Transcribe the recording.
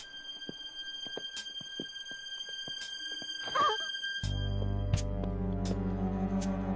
あっ！